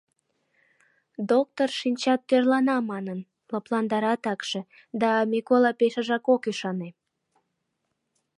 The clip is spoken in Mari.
Доктор, шинчат тӧрлана манын, лыпландара такше, да Микола пешыжак ок ӱшане.